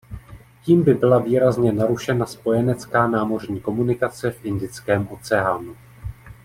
Tím by byla výrazně narušena spojenecká námořní komunikace v Indickém oceánu.